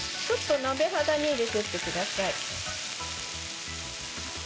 鍋肌に入れていってください。